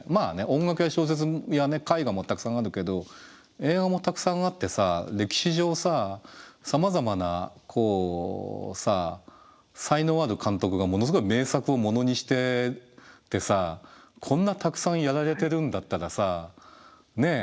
音楽や小説や絵画もたくさんあるけど映画もたくさんあってさ歴史上さまざまな才能ある監督がものすごい名作をものにしててさこんなたくさんやられてるんだったらさねえ